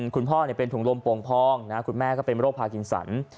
คุณพ่อเป็นถุงลมโป่งพองคุณแม่ก็เป็นโรคพากินสัน